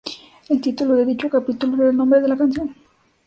El título de dicho capítulo era el nombre de la canción.